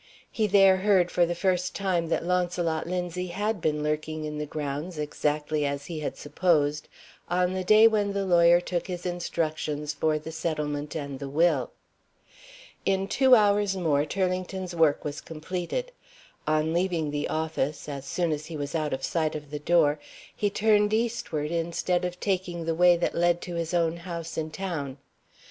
He there heard, for the first time, that Launcelot Linzie had been lurking in the grounds (exactly as he had supposed) on the day when the lawyer took his instructions for the Settlement and the Will. In two hours more Turlington's work was completed. On leaving the office as soon as he was out of sight of the door he turned eastward, instead of taking the way that led to his own house in town.